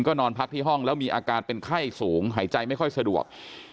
นอนพักที่ห้องแล้วมีอาการเป็นไข้สูงหายใจไม่ค่อยสะดวก